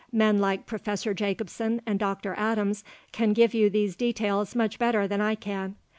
Men like Professor Jacobsen and Dr. Adams can give you these details much better than I can.